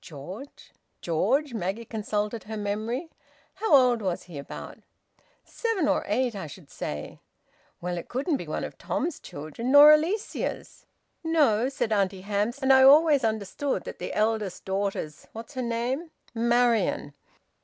"George? George?" Maggie consulted her memory. "How old was he, about?" "Seven or eight, I should say." "Well, it couldn't be one of Tom's children. Nor Alicia's." "No," said Auntie Hamps. "And I always understood that the eldest daughter's what's her name?" "Marian."